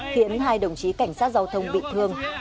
khiến hai đồng chí cảnh sát giao thông bị thương